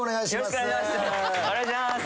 よろしくお願いします。